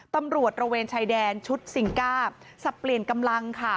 ตำรวจระเวนชายแดนชุดซิงก้าสับเปลี่ยนกำลังค่ะ